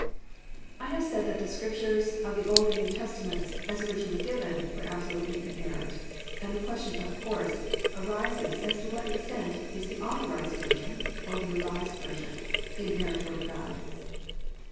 I have said that the Scriptures of the Old and New Testaments as originally given were absolutely inerrant, and the question of course arises to what extent is the Authorized Version, or the Revised Version, the inerrant Word of God.